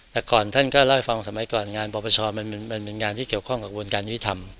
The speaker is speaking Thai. แต่ก่อนท่านก็เล่าให้ฟังสมัยก่อนงานปรปชมันเป็นงานที่เกี่ยวข้องกับกระบวนการยุติธรรม